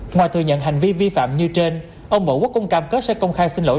ngoài thừa nhận hành vi vi phạm như trên ông võ quốc cũng cam kết sẽ công khai xin lỗi